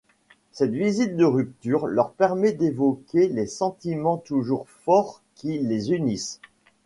Cette visite de rupture leur permet d'évoquer les sentiments toujours forts qui les unissent.